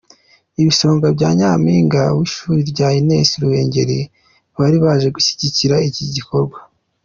Ibisonga bya Nyampinga w'ishuri rya Ines Ruhengeri bari baje gushyigikira iki gikorwa.